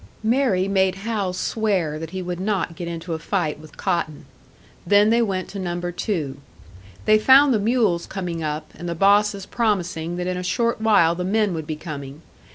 Mary made Hal swear that he would not get into a fight with Cotton; then they went to Number Two. They found the mules coming up, and the bosses promising that in a short while the men would be coming.